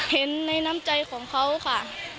เห็นในน้ำใจของเขาค่ะ